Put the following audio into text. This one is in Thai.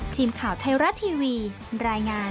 ทีมข่าวไทรอัตทีวีดร